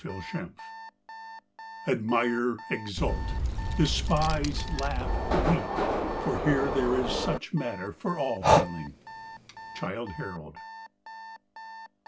'* Admire, exult, despise, laugh, weep, for here There is such matter for all feeling." Childe Harold.